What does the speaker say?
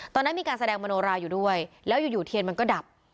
ตอนนั้นมีการแสดงมโนราอยู่ด้วยแล้วอยู่เทียนมันก็ดับ